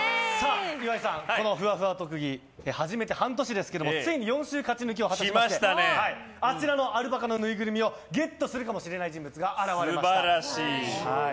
岩井さん、このふわふわ特技始めて半年ですけどもついに４週勝ち抜きを果たしましてあちらのアルパカのぬいぐるみをゲットするかもしれない人物が素晴らしい。